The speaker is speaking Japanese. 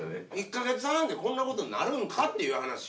１か月半で、こんなことになるんかって話。